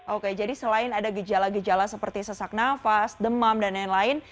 oke jadi selain ada gejala gejala seperti sesak nafas demam dan lain lain